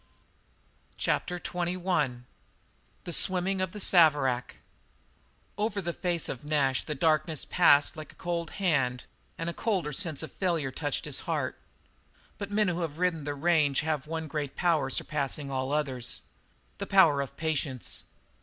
CHAPTER XXI THE SWIMMING OF THE SAVERACK Over the face of Nash the darkness passed like a cold hand and a colder sense of failure touched his heart; but men who have ridden the range have one great power surpassing all others the power of patience.